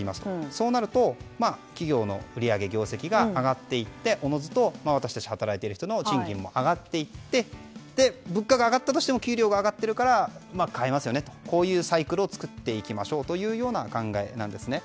そうなると、企業の売り上げ業績が上がっていっておのずと私たち働いている人の賃金も上がっていって物価が上がったとしても給料が上がってるから買えますよねというサイクルを作っていきましょうという考えなんですね。